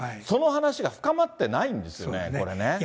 その話が深まってないんですよね、これね。